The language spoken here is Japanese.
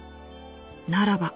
ならば。